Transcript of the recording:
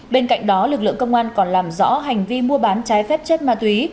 bên cạnh đó lực lượng công an còn làm rõ hành vi mua bán trái phép chất ma túy